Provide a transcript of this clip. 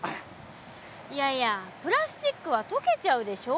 いやいやプラスチックは溶けちゃうでしょ？